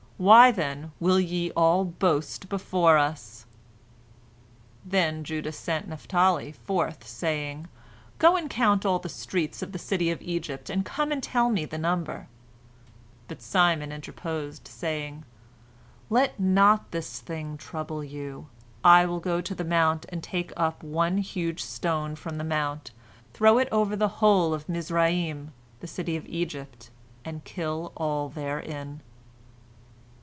Why, then, will ye all boast before us?" Then Judah sent Naphtali forth, saying, "Go and count all the streets of the city of Egypt and come and tell me the number," but Simon interposed, saying, "Let not this thing trouble you, I will go to the mount, and take up one huge stone from the mount, throw it over the whole of Mizraim, the city of Egypt, and kill all therein."